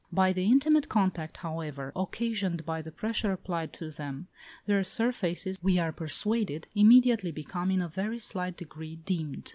By the intimate contact, however, occasioned by the pressure applied to them, their surfaces, we are persuaded, immediately become in a very slight degree dimmed.